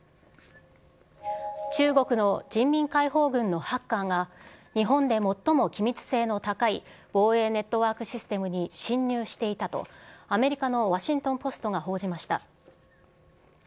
中国の人民解放軍のハッカーが、日本で最も機密性の高い防衛ネットワークシステムに侵入していたと、アメリカのワシントン・ポストが報じました。